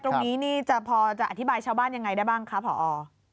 ตรงนี้นี่จะพอจะอธิบายชาวบ้านยังไงได้บ้างคะผอ